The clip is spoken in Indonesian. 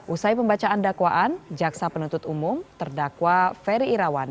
usai pembacaan dakwaan jaksa penuntut umum terdakwa ferry irawan